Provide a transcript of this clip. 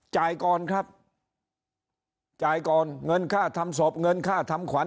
จ่ายก่อนครับจ่ายก่อนเงินค่าทำศพเงินค่าทำขวัญ